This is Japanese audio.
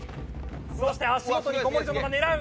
そして足元に小森園が狙う。